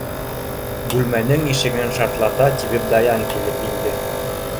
Бүлмәнең ишеген шартлата тибеп Даян килеп инде.